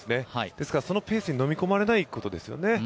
ですからそのペースにのみ込まれないことですよね。